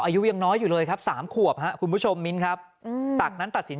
อายุยังน้อยอยู่เลยครับ๓ขวบครับคุณผู้ชมมิ้นครับตักนั้นตัดสิน